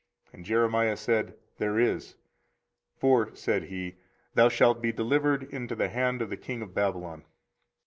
And Jeremiah said, There is: for, said he, thou shalt be delivered into the hand of the king of Babylon.